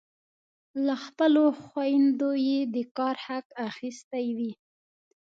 له خپلو خویندو یې د کار حق اخیستی وي.